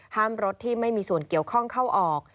รถที่ไม่มีส่วนเกี่ยวข้องเข้าออก